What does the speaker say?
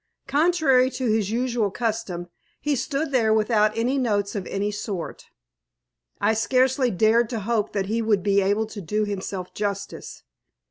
Contrary to his usual custom, he stood there without any notes of any sort. I scarcely dared to hope that he would be able to do himself justice.